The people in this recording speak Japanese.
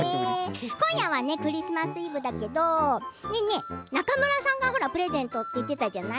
今夜はクリスマスイブだけど中村さんがプレゼントと言っていたじゃない？